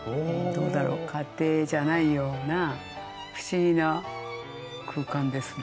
どうだろ家庭じゃないような不思議な空間ですね。